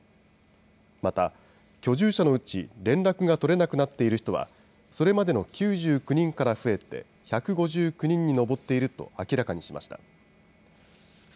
また、居住者のうち連絡が取れなくなっている人は、それまでの９９人から増えて、１５９人に上っていると明らかにしました。